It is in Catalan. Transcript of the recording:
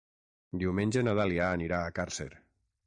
Diumenge na Dàlia anirà a Càrcer.